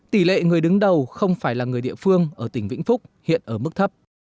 tỷ lệ người đứng đầu không phải là người địa phương ở tỉnh vĩnh phúc hiện ở mức thấp